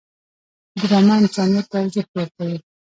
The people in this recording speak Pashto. ډرامه انسانیت ته ارزښت ورکوي